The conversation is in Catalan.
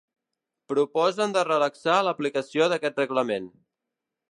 Proposen de relaxar l'aplicació d'aquest reglament.